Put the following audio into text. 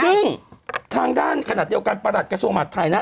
ถึงทางด้านขณะเดียวกันปรับกระทรวมหาดไทยนะ